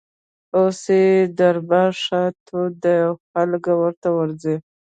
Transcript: اوس یې دربار ښه تود دی او خلک ورته ورځي.